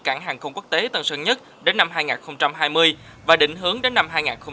cảng hàng không quốc tế tân sơn nhất đến năm hai nghìn hai mươi và định hướng đến năm hai nghìn ba mươi